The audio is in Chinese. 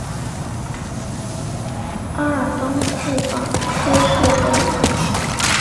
阿尔当库尔科谢雷。